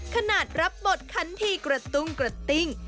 ขนาดรับบทคันทีกระตุ้งกระติ้ง